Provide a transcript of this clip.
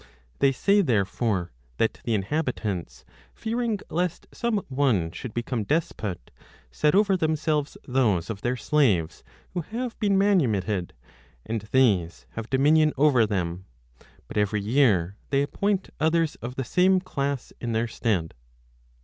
They say, therefore, that the inhabitants, fearing lest some one should become despot, set over themselves those of their slaves who had been manumitted, and these have dominion over them ; but every year they appoint others of the same class in their stead.